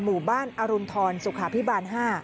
หมู่บ้านอรุณฑรสุขาพิบาล๕